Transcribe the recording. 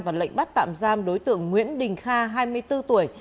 và lệnh bắt tạm giam đối tượng nguyễn đình kha hai mươi bốn tuổi